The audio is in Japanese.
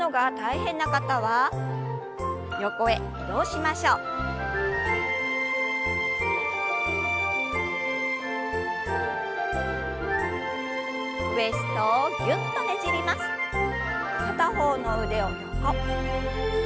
片方の腕を横。